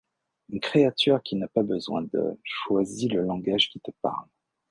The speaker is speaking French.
Une créature qui n'a pas besoin de Choisis le langage qui te parle.